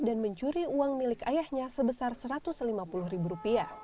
dan mencuri uang milik ayahnya sebesar rp satu ratus lima puluh